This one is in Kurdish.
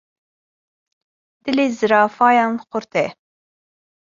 Dilê zirafayan xurt e.